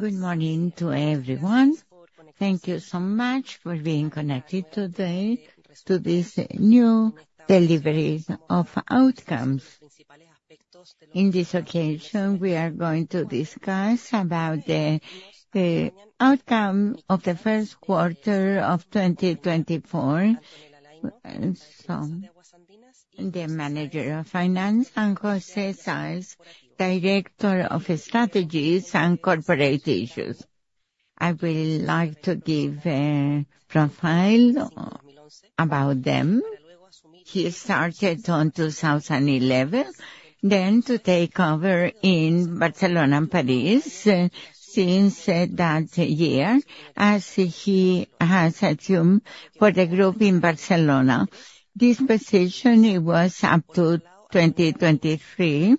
Good morning to everyone. Thank you so much for being connected today to this new delivery of outcomes. In this occasion, we are going to discuss about the outcome of the first quarter of 2024. The manager of finance, and José Sáez, Director of Strategies and Corporate Issues. I will like to give a profile about them. He started on 2011, then to take over in Barcelona and Paris. Since that year, as he has assumed for the group in Barcelona. This position, it was up to 2023,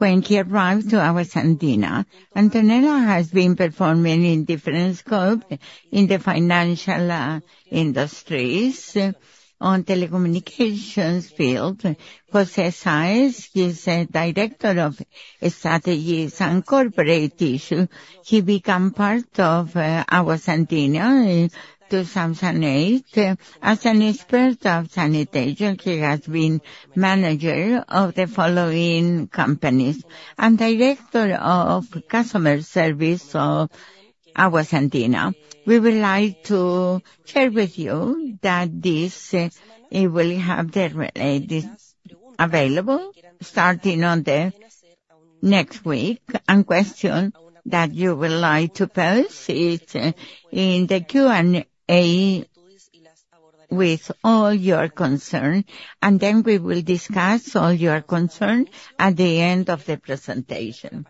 when he arrived to Aguas Andinas. Antonella has been performing in different scope in the financial industries on telecommunications field. José Sáez is a Director of Strategies and Corporate Issue. He become part of Aguas Andinas in 2008. As an expert of sanitation, he has been manager of the following companies and Director of Customer Service of Aguas Andinas. We would like to share with you that this will have this available starting next week. Any question that you would like to pose in the Q&A with all your concern, and then we will discuss all your concern at the end of the presentation.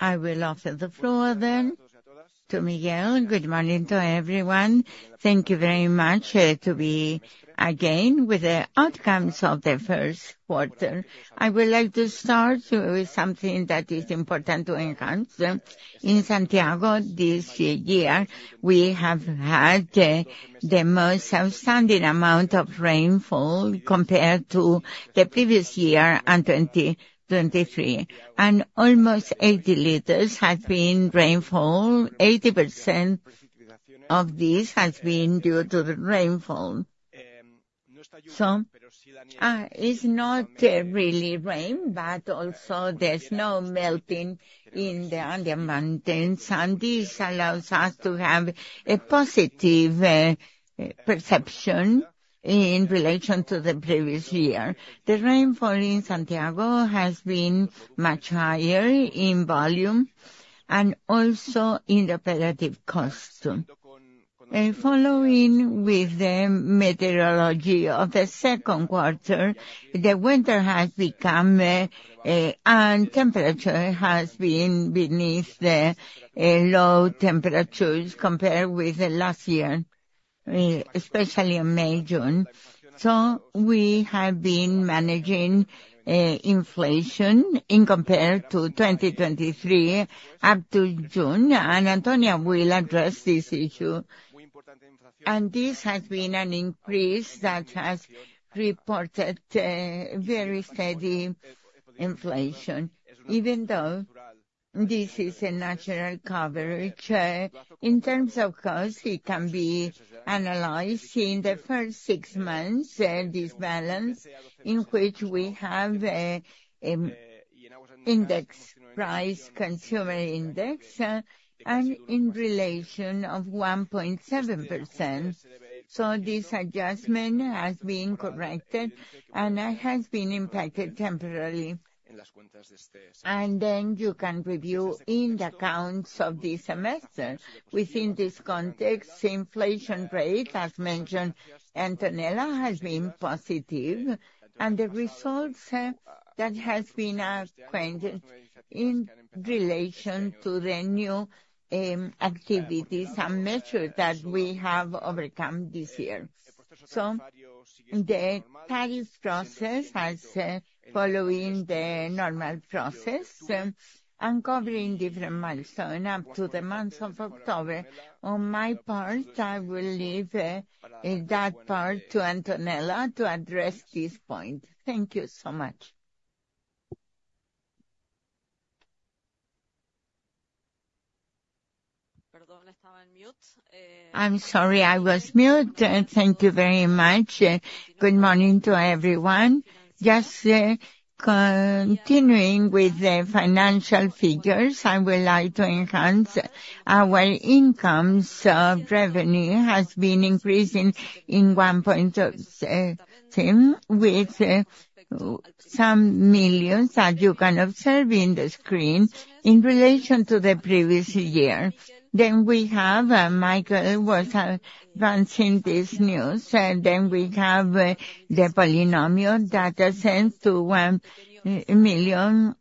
I will offer the floor then to Miquel. Good morning to everyone. Thank you very much for being here again with the outcomes of the first quarter. I would like to start with something that is important to enhance. In Santiago this year, we have had the most outstanding amount of rainfall compared to the previous year and 2023. Almost 80 liters has been rainfall. 80% of this has been due to the rainfall. It's not really rain, but also there's snow melting in the mountains, and this allows us to have a positive perception in relation to the previous year. The rainfall in Santiago has been much higher in volume and also in the operating cost. Following with the meteorology of the second quarter, the winter has become, and temperature has been below the low temperatures compared with last year, especially in May, June. We have been managing inflation compared to 2023 up to June, and Antonella will address this issue. This has been an increase that has reported a very steady inflation, even though this is a natural coverage. In terms of cost, it can be analyzed in the first six months, this balance in which we have a IPC, Consumer Price Index, and in relation of 1.7%. This adjustment has been corrected and it has been impacted temporarily. Then you can review in the accounts of this semester. Within this context, inflation rate, as mentioned, Antonella, has been positive. The results that has been acquired in relation to the new, activities and measures that we have overcome this year. The tariff process has, following the normal process, and covering different milestone up to the months of October. On my part, I will leave, that part to Antonella to address this point. Thank you so much. I'm sorry, I was mute. Thank you very much. Good morning to everyone. Just continuing with the financial figures, I would like to enhance our incomes. Revenue has been increasing by 10%, with some millions that you can observe on the screen in relation to the previous year. We have Miquel advancing this news. We have the polynomial indexation to 1.4 million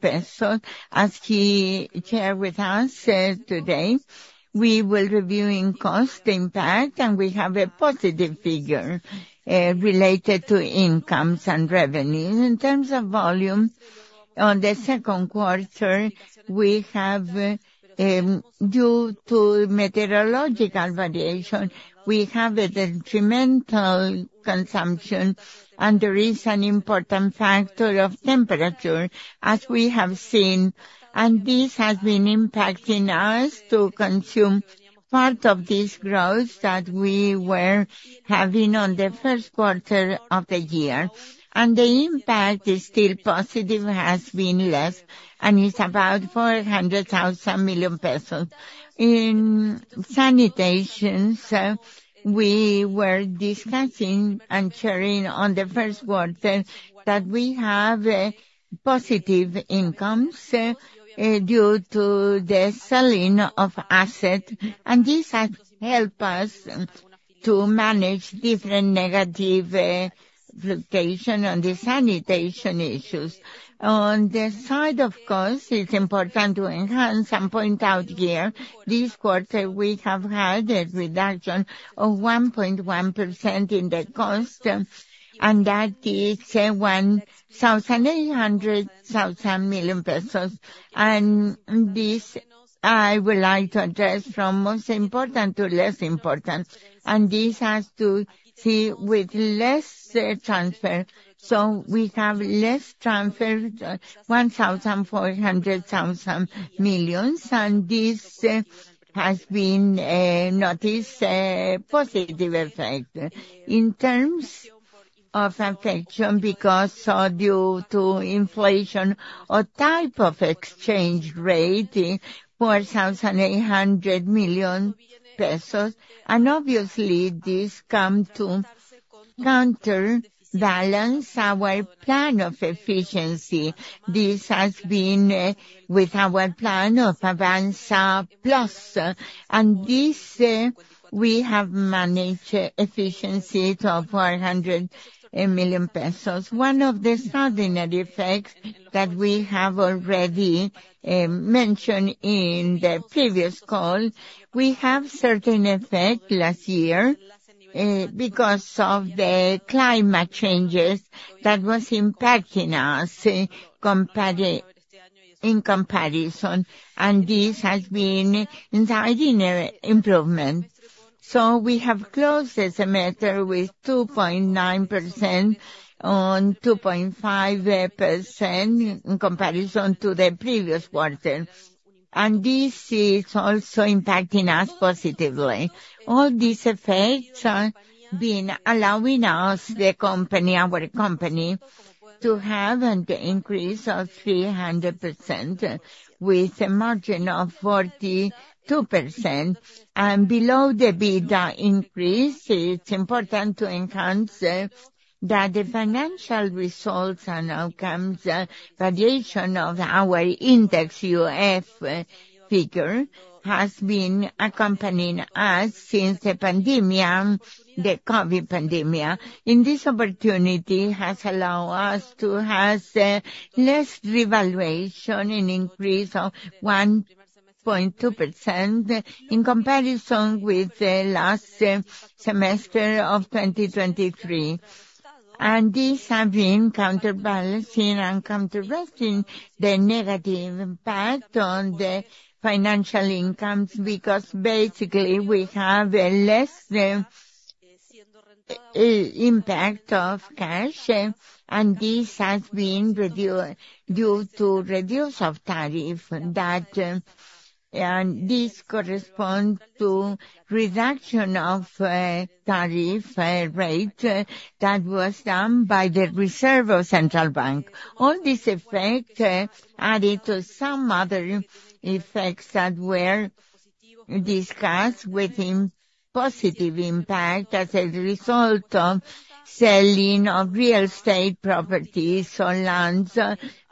pesos. As he shared with us today, we will review its cost impact, and we have a positive figure related to incomes and revenues. In terms of volume in the second quarter, due to meteorological variation, we have detrimental consumption and there is an important factor of temperature, as we have seen. This has been impacting our consumption, consuming part of this growth that we were having in the first quarter of the year. The impact is still positive, has been less, and it's about 400 billion pesos. In sanitation, we were discussing and sharing on the first quarter that we have a positive income due to the sale of assets. This has helped us to manage different negative inflation on the sanitation issues. On the side of cost, it's important to emphasize and point out here, this quarter we have had a reduction of 1.1% in the cost, and that is 7.8 billion pesos. This, I would like to address from most important to less important, and this has to do with less transfer. We have less transfer, 1.4 billion, and this has had a positive effect. In terms of effect on because of inflation or type of exchange rate, 4,800 million pesos. Obviously, this comes to counterbalance our plan of efficiency. This has been with our Avanza+ plan. We have managed efficiency of 400 million pesos. One of the extraordinary effects that we have already mentioned in the previous call, we have certain effect last year because of the climate changes that was impacting us in comparison, and this has been an ordinary improvement. We have closed the semester with 2.9% on 2.5% in comparison to the previous quarter. This is also impacting us positively. All these effects are enabling us, the company, our company, to have an increase of 300% with a margin of 42%. Below the EBITDA increase, it's important to emphasize that the financial results and outcomes variation of our index UF figure has been accompanying us since the COVID pandemic. This opportunity has allowed us to have less revaluation, an increase of 1.2% in comparison with the last semester of 2023. This has been counterbalancing and counteracting the negative impact on the financial incomes, because basically we have a less impact of cash, and this has been due to reduction of tariff that, and this corresponds to reduction of tariff rate that was done by the Banco Central de Chile. All this effect added to some other effects that were discussed within positive impact as a result of selling of real estate properties or lands.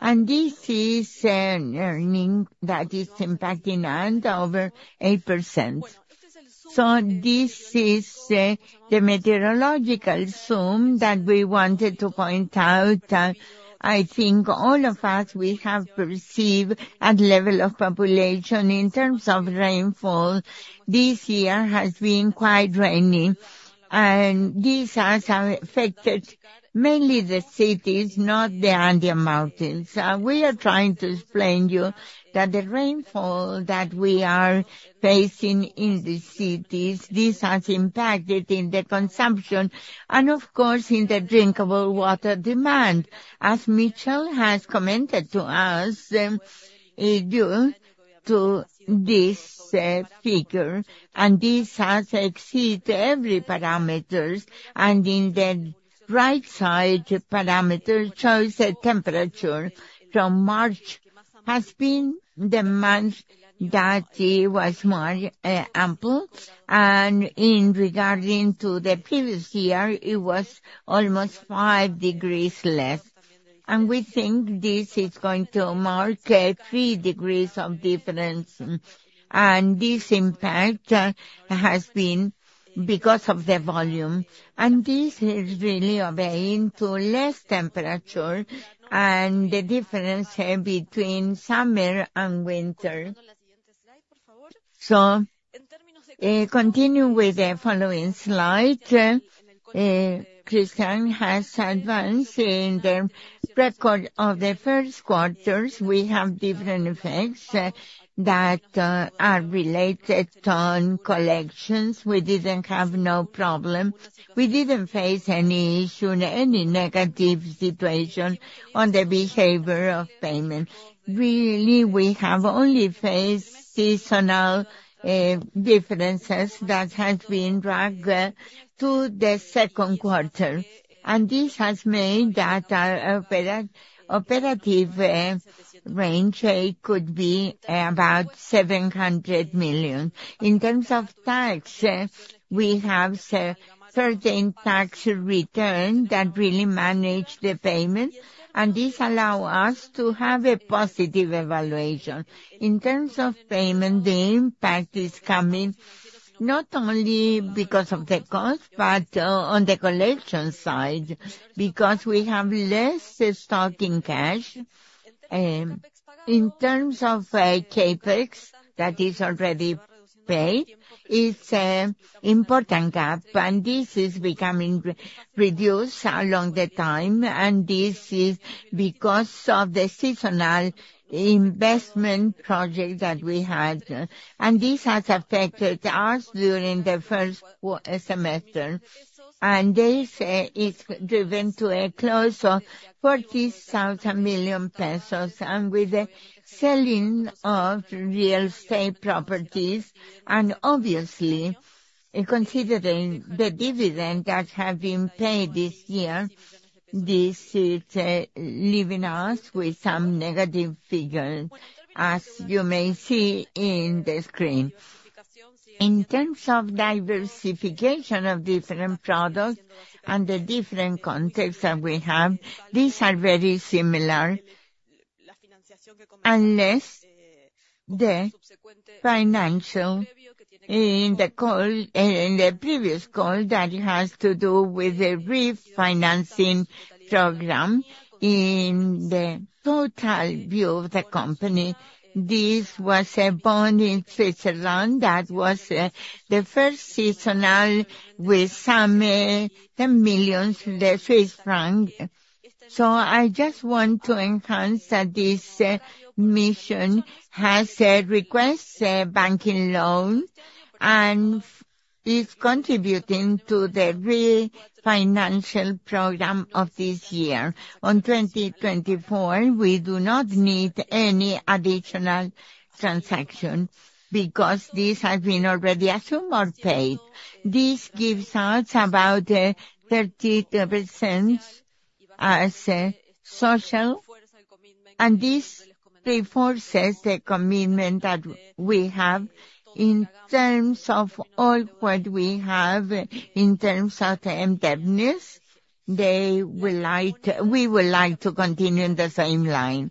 This is an earning that is impacting over 8%. This is the meteorological zone that we wanted to point out. I think all of us we have received at level of population in terms of rainfall this year has been quite rainy. This has affected mainly the cities, not the Andean mountains. We are trying to explain to you that the rainfall that we are facing in the cities this has impacted in the consumption and of course in the drinkable water demand. As Miquel has commented to us due to this figure and this has exceeded every parameter. In the right side parameter shows the temperature from March has been the month that it was more ample. In regarding to the previous year, it was almost 5 degrees less. We think this is going to mark 3 degrees of difference. This impact has been because of the volume. This is really obeying to less temperature and the difference between summer and winter. Continue with the following slide. Christian has advanced in the record of the first quarters. We have different effects that are related on collections. We didn't have no problem. We didn't face any issue, any negative situation on the behavior of payment. Really, we have only faced seasonal differences that has been dragged to the second quarter. This has made that our operative range could be about 700 million. In terms of tax, we have certain tax return that really manage the payment, and this allow us to have a positive evaluation. In terms of payment, the impact is coming not only because of the cost, but on the collection side, because we have less stock and cash. In terms of CapEx that is already paid, it's important gap, and this is becoming reduced along the time, and this is because of the seasonal investment project that we had. This has affected us during the first semester. This is driven to a close of 40,000 million pesos and with the selling of real estate properties. Obviously, considering the dividend that have been paid this year, this is leaving us with some negative figure, as you may see in the screen. In terms of diversification of different products and the different context that we have, these are very similar. In the previous call that has to do with the refinancing program in the total view of the company. This was a bond in Switzerland. That was the first issuance with some 10 million, the Swiss franc. I just want to emphasize that this issuance has required a banking loan and is contributing to the financial program of this year. In 2024, we do not need any additional transaction because this has been already assumed or paid. This gives us about 30% as a social, and this reinforces the commitment that we have in terms of all what we have in terms of the indebtedness. We would like to continue in the same line.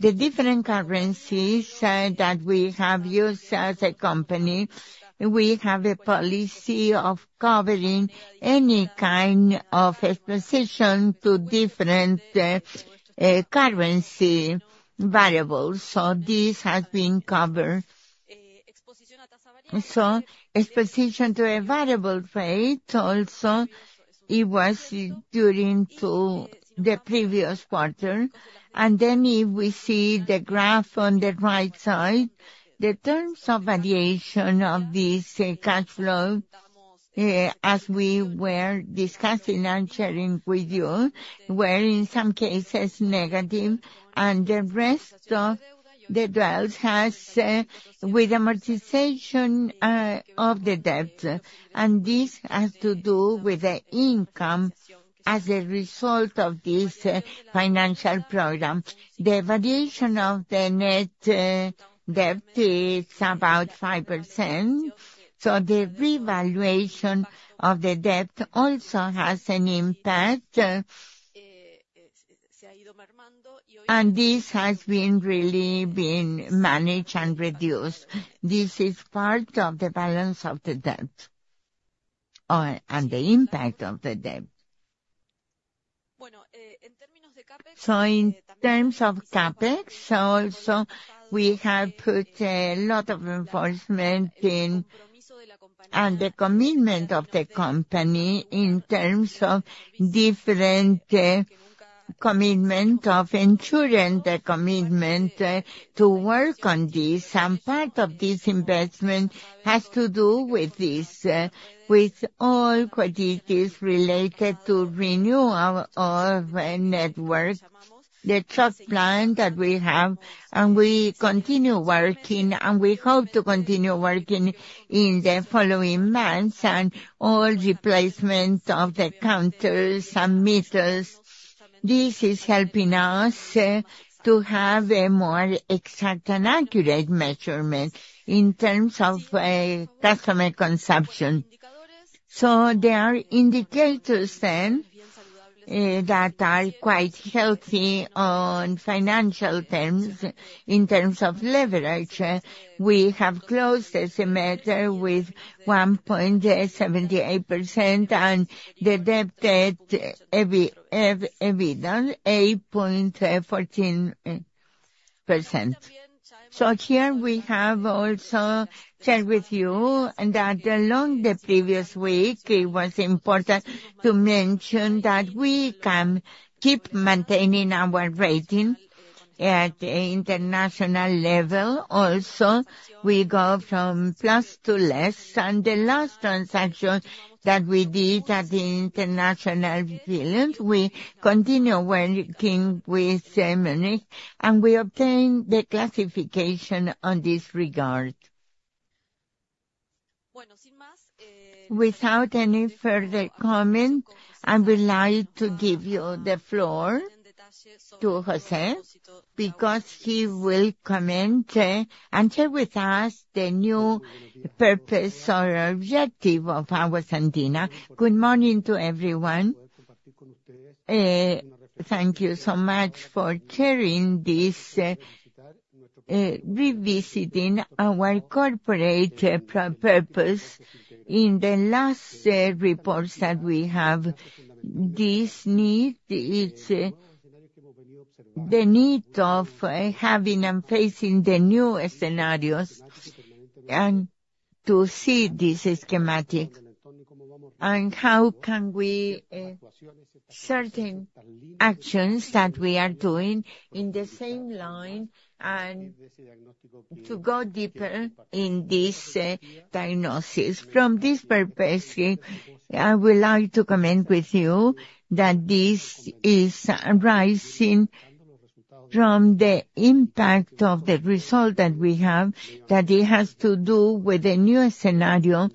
The different currencies that we have used as a company, we have a policy of covering any kind of exposure to different currency variables. So this has been covered. So exposure to a variable rate also, it was due to the previous quarter. Then if we see the graph on the right side, the terms of variation of this cash flow, as we were discussing and sharing with you, were in some cases negative, and the rest of the draws has with amortization of the debt. This has to do with the income as a result of this financial program. The variation of the net debt is about 5%, so the revaluation of the debt also has an impact. This has been really managed and reduced. This is part of the balance of the debt and the impact of the debt. In terms of CapEx also, we have put a lot of effort in, and the commitment of the company in terms of different commitment of ensuring the commitment to work on this. Part of this investment has to do with this with all qualities related to renewal of a network, the chart plan that we have. We continue working, and we hope to continue working in the following months and all replacement of the counters and meters. This is helping us to have a more exact and accurate measurement in terms of customer consumption. There are indicators then that are quite healthy on financial terms. In terms of leverage, we have closed the semester with 1.78% and the debt at 80.14%. Here we have also shared with you that along the previous week, it was important to mention that we can keep maintaining our rating at international level also. We go from plus to less. The last transaction that we did at the international field, we continue working with Semenuk, and we obtain the classification on this regard. Without any further comment, I would like to give you the floor to José Sáez because he will comment and share with us the new purpose or objective of our Aguas Andinas. Good morning to everyone. Thank you so much for sharing this, revisiting our corporate purpose. In the last reports that we have, this need is the need of having and facing the new scenarios and to see this schematic and how can we certain actions that we are doing in the same line and to go deeper in this diagnosis. From this perspective, I would like to comment with you that this is arising from the impact of the result that we have, that it has to do with the new scenario.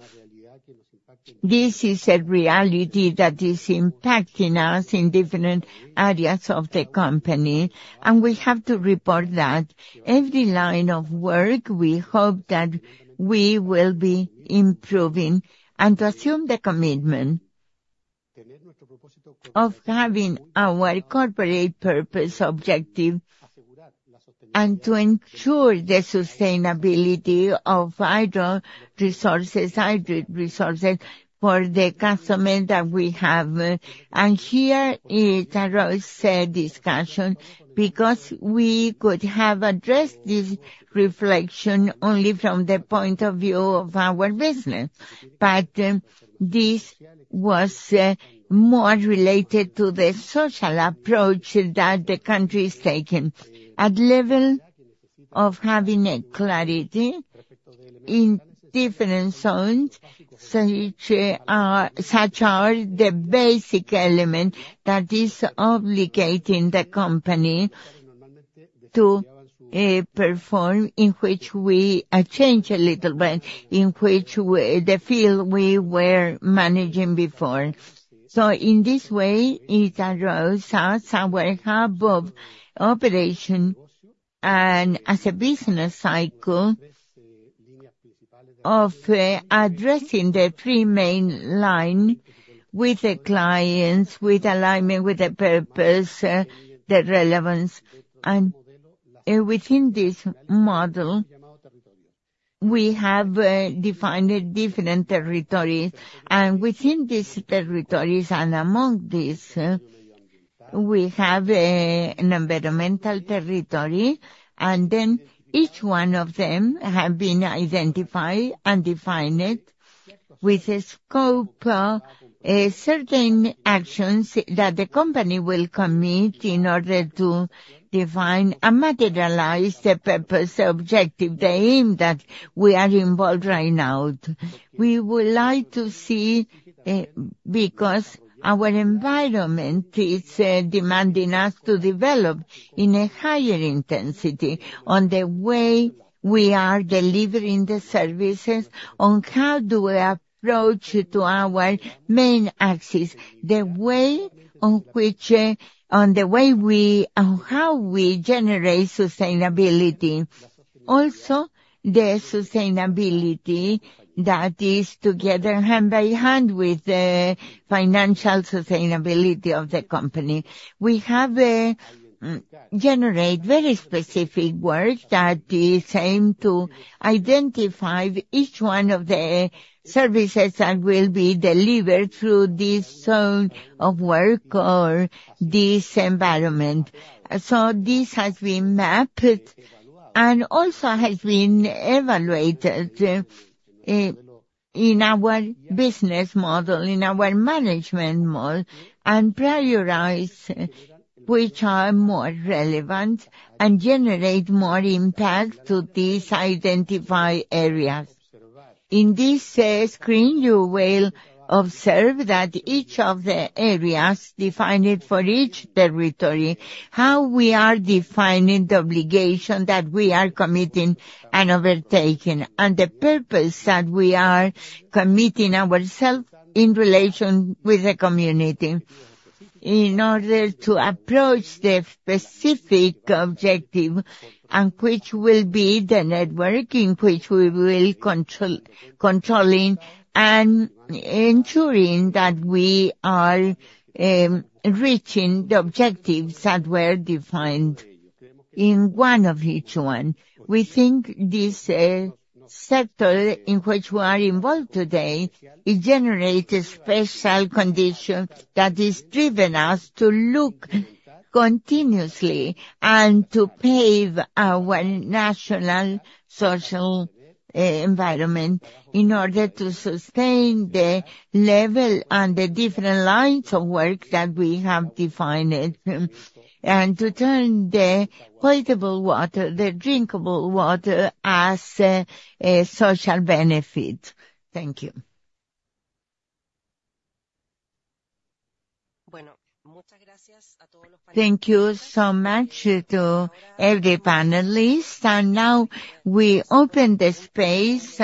This is a reality that is impacting us in different areas of the company, and we have to report that. Every line of work, we hope that we will be improving and to assume the commitment of having our corporate purpose objective and to ensure the sustainability of vital resources, hydric resources for the customer that we have. Here it arose a discussion because we could have addressed this reflection only from the point of view of our business. This was more related to the social approach that the country is taking. At level of having a clarity in different zones, such as the basic element that is obligating the company to perform, in which we change a little bit the field we were managing before. In this way, it arose as our hub of operation and as a business cycle of addressing the three main line with the clients, with alignment, with the purpose, the relevance. Within this model, we have defined different territories. Within these territories, and among these, we have an environmental territory, and then each one of them have been identified and defined with the scope of certain actions that the company will commit in order to define and materialize the purpose, the objective, the aim that we are involved right now. We would like to see, because our environment is demanding us to develop in a higher intensity on the way we are delivering the services, on how do we approach to our main axis, the way on which, on how we generate sustainability. Also, the sustainability that is together hand by hand with the financial sustainability of the company. We have generated very specific work that is aimed to identify each one of the services that will be delivered through this zone of work or this environment. This has been mapped and also has been evaluated in our business model, in our management model, and prioritized which are more relevant and generate more impact to these identified areas. In this screen, you will observe that each of the areas defined for each territory, how we are defining the obligation that we are committing and undertaking, and the purpose that we are committing ourselves in relation with the community in order to approach the specific objective, and which will be the networking, which we will control, controlling and ensuring that we are reaching the objectives that were defined in one of each one. We think this sector in which we are involved today, it generates a special condition that is driven us to look continuously and to pave our national social environment in order to sustain the level and the different lines of work that we have defined, and to turn the potable water, the drinkable water, as a social benefit. Thank you. Thank you so much to every panelist. Now we open the space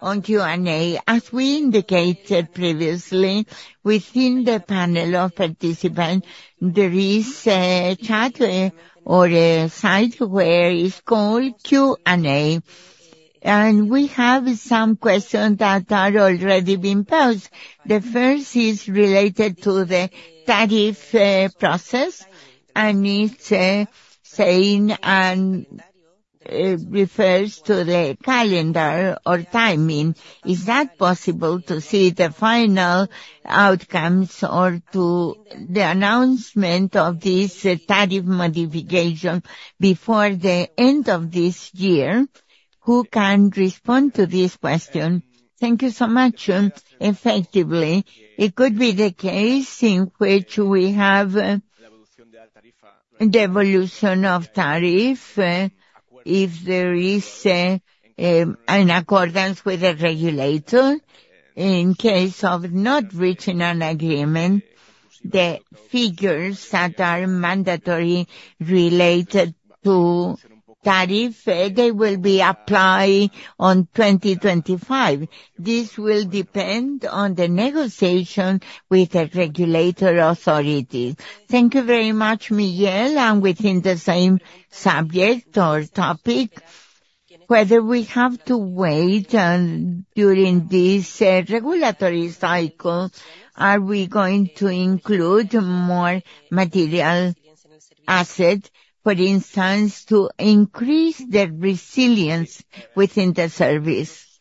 on Q&A. As we indicated previously, within the panel of participants, there is a chat or a site where it's called Q&A. We have some questions that are already being posed. The first is related to the tariff process and it's saying and refers to the calendar or timing. Is that possible to see the final outcomes or to the announcement of this tariff modification before the end of this year? Who can respond to this question? Thank you so much. Effectively, it could be the case in which we have the evolution of tariff, if there is an accordance with the regulator. In case of not reaching an agreement, the figures that are mandatory related to tariff, they will be applied on 2025. This will depend on the negotiation with the regulatory authority. Thank you very much, Miquel. Within the same subject or topic, whether we have to wait during this regulatory cycle, are we going to include more material asset, for instance, to increase the resilience within the service?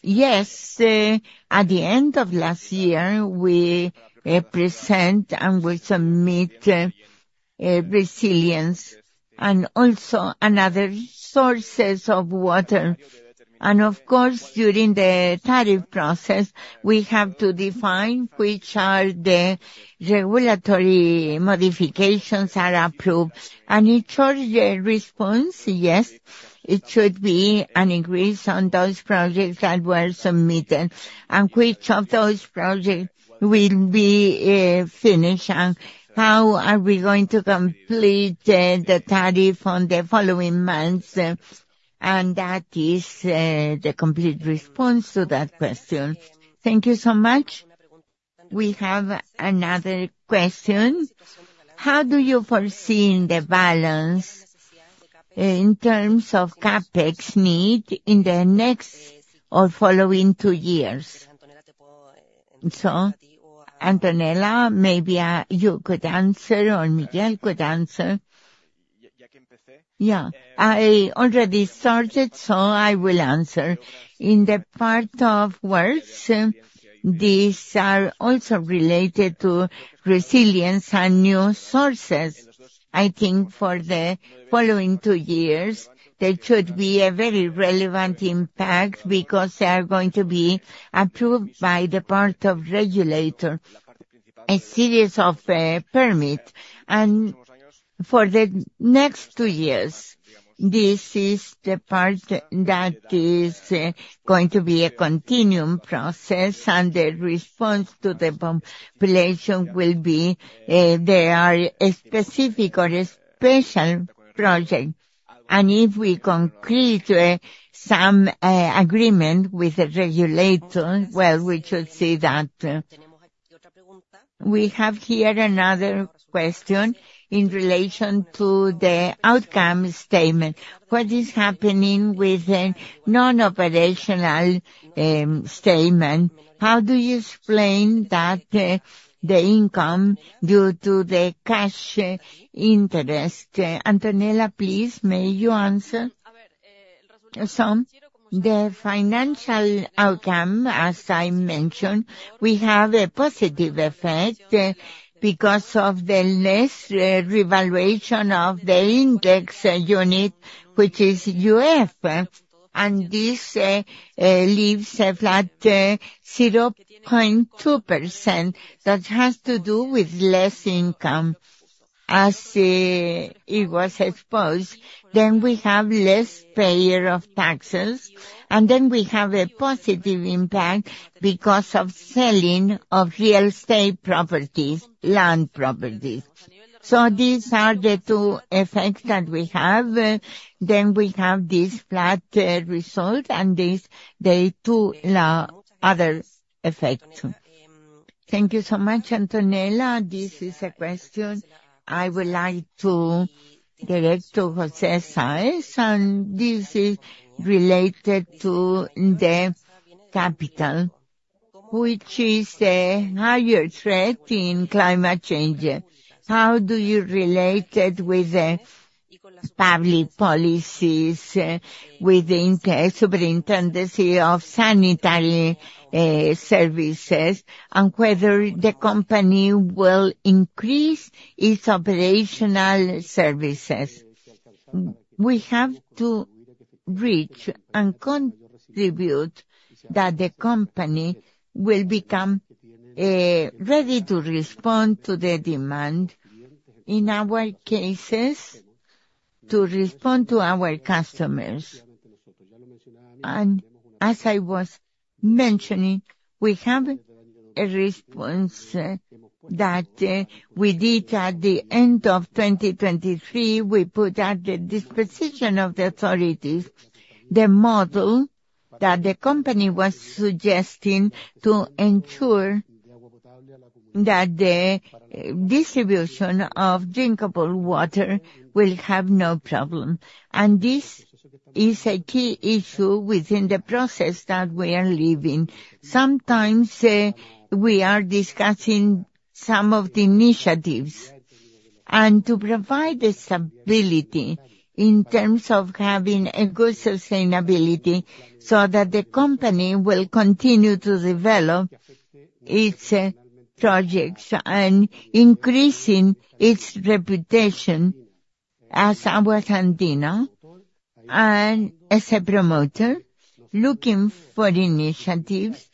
Yes. At the end of last year, we present and we submit resilience and also another sources of water. Of course, during the tariff process, we have to define which are the regulatory modifications are approved. In short response, yes, it should be an increase on those projects that were submitted and which of those projects will be finished and how we are going to complete the tariff on the following months. That is the complete response to that question. Thank you so much. We have another question. How do you foresee in the balance in terms of CapEx need in the next or following two years? Antonella, maybe you could answer or Miguel could answer. Yeah, I already started, so I will answer. In the part of works, these are also related to resilience and new sources. I think for the following two years, there should be a very relevant impact because they are going to be approved by the part of regulator, a series of permit. For the next two years, this is the part that is going to be a continuum process and the response to the population will be there are a specific or a special project. If we complete some agreement with the regulator, well, we should see that. We have here another question in relation to the income statement. What is happening with the non-operational statement? How do you explain that the income due to the cash interest? Antonela, please, may you answer? The financial income, as I mentioned, we have a positive effect because of the less revaluation of the index unit, which is UF. This leaves a flat 0.2% that has to do with less income. As it was exposed, we have less payment of taxes, and we have a positive impact because of selling of real estate properties, land properties. These are the two effects that we have. We have this flat result and these the two other effect. Thank you so much, Antonella. This is a question I would like to direct to José Sáez, and this is related to the CapEx, which is a higher threat in climate change. How do you relate it with the public policies within Superintendencia de Servicios Sanitarios, and whether the company will increase its operational services? We have to reach and contribute that the company will become ready to respond to the demand, in our cases, to respond to our customers. As I was mentioning, we have a response that we did at the end of 2023. We put at the disposition of the authorities the model that the company was suggesting to ensure that the distribution of drinkable water will have no problem. This is a key issue within the process that we are living. Sometimes, we are discussing some of the initiatives and to provide the stability in terms of having a good sustainability so that the company will continue to develop its projects and increasing its reputation as Aguas Andinas and as a promoter looking for initiatives,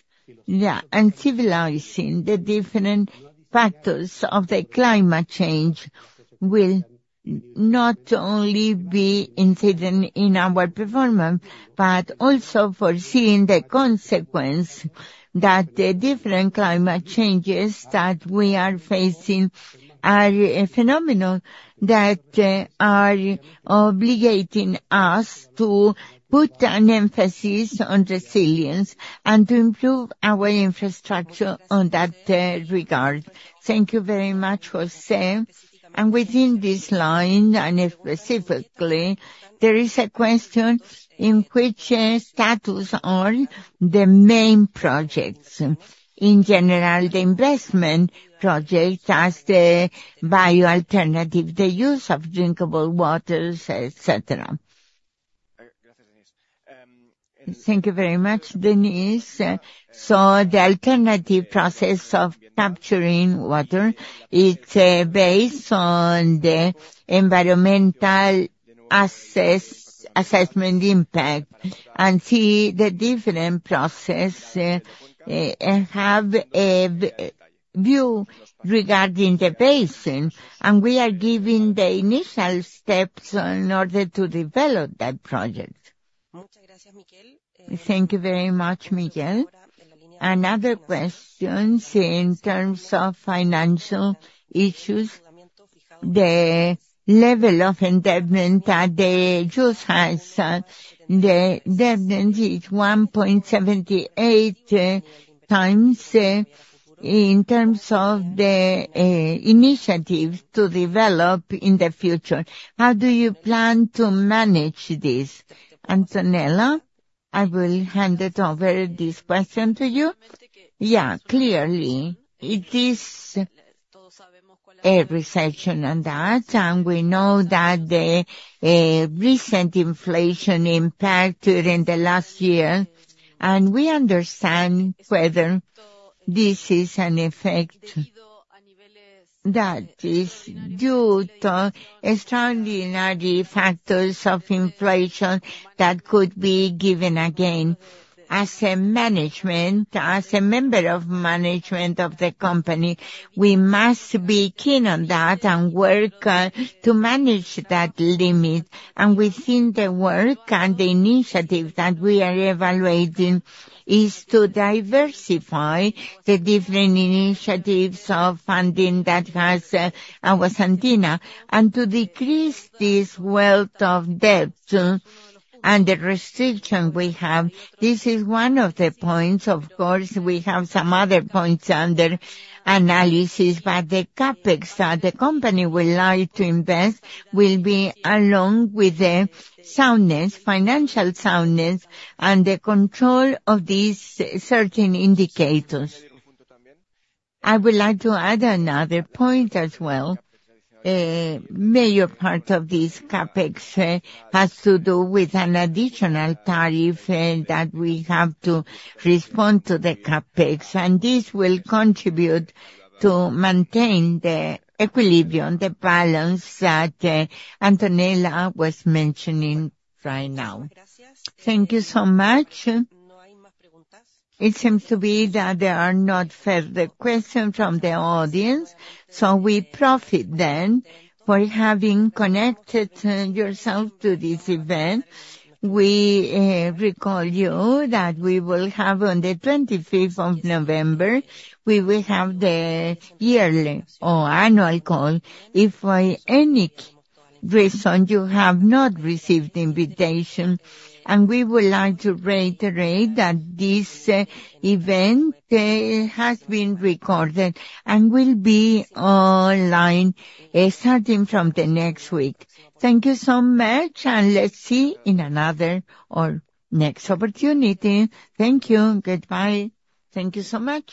and considering the different factors of the climate change will not only impact our performance, but also foreseeing the consequence that the different climate changes that we are facing are a phenomenon that are obligating us to put an emphasis on resilience and to improve our infrastructure on that regard. Thank you very much, José. Within this line, and specifically, there is a question in which status are the main projects. In general, the investment projects such as the bio alternative, the use of drinking water, et cetera. Thank you very much, Denise. The alternative process of capturing water, it's based on the environmental assessment impact and see the different process, have a view regarding the basin, and we are giving the initial steps in order to develop that project. Thank you very much, Miquel. Another question in terms of financial issues, the level of endowment that they just has said, the indebtedness Yeah. Clearly it is a reflection on that, and we know that the recent inflation impact during the last year, and we understand whether this is an effect that is due to extraordinary factors of inflation that could be given again. As a management, as a member of management of the company, we must be keen on that and work to manage that limit. Within the work and the initiative that we are evaluating is to diversify the different initiatives of funding that has Aguas Andinas, and to decrease this weight of debt and the restriction we have. This is one of the points. Of course, we have some other points under analysis, but the CapEx that the company would like to invest will be along with the soundness, financial soundness and the control of these certain indicators. I would like to add another point as well. A major part of this CapEx has to do with an additional tariff that we have to respond to the CapEx, and this will contribute to maintain the equilibrium, the balance that Antonella was mentioning right now. Thank you so much. It seems to be that there are no further questions from the audience. We appreciate then for having connected yourselves to this event. We remind you that we will have on the 25th of November, we will have the yearly or annual call. If for any reason you have not received the invitation, we would like to reiterate that this event has been recorded and will be online starting from the next week. Thank you so much, and let's see in another or next opportunity. Thank you. Goodbye. Thank you so much.